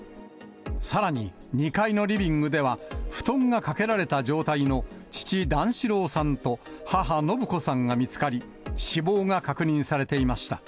さらに２階のリビングでは、布団がかけられた状態の父、段四郎さんと、母、延子さんが見つかり、死亡が確認されていました。